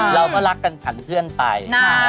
เราก็รักกันฉันเพื่อนไป